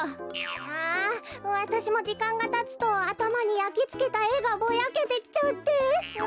ああわたしもじかんがたつとあたまにやきつけたえがぼやけてきちゃって。